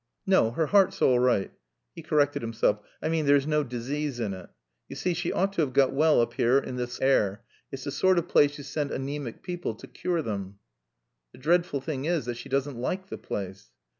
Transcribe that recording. "No her heart's all right." He corrected himself. "I mean there's no disease in it. You see, she ought to have got well up here in this air. It's the sort of place you send anæmic people to to cure them." "The dreadful thing is that she doesn't like the place."